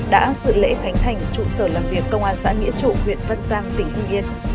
đã dự lễ khánh thành trụ sở làm việc công an xã nghĩa trụ huyện văn giang tỉnh hưng yên